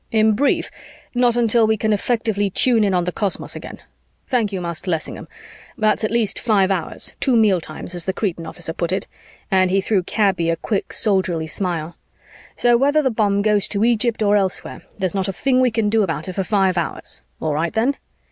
"In brief, not until we can effectively tune in on the cosmos again. Thank you, Master Lessingham. That's at least five hours two mealtimes, as the Cretan officer put it," and he threw Kaby a quick soldierly smile. "So, whether the bomb goes to Egypt or elsewhere, there's not a thing we can do about it for five hours. All right then!"